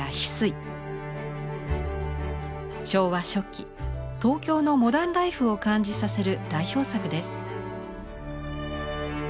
昭和初期東京のモダンライフを感じさせる代表作です。